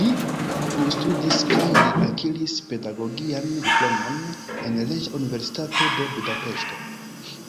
Li plustudis kaj li akiris pedagogian diplomon en Reĝa Universitato de Budapeŝto.